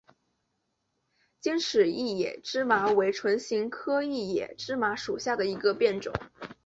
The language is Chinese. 尖齿异野芝麻为唇形科异野芝麻属下的一个变种。